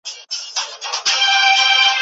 يادوي به د يارانو سفرونه